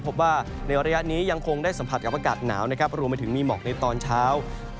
พบว่าในระยะนี้ยังคงได้สัมผัสกับอากาศหนาวนะครับรวมไปถึงมีหมอกในตอนเช้า